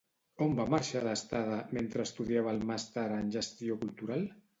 On va marxar d'estada mentre estudiava el Màster en Gestió cultural?